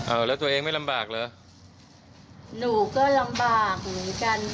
เอาแล้วตัวเองไม่ลำบากเหรอหนูก็ลำบากเหมือนกัน